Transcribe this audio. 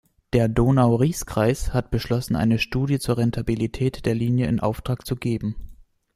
Der Donau-Ries-Kreis hat beschlossen, eine Studie zur Rentabilität der Linie in Auftrag zu geben.